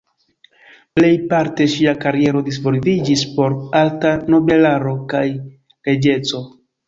Plejparte ŝia kariero disvolviĝis por alta nobelaro kaj reĝeco.